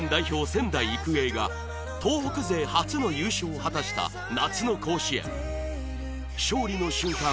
仙台育英が東北勢初の優勝を果たした勝利の瞬間